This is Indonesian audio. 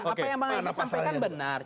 apa yang bang andi sampaikan benar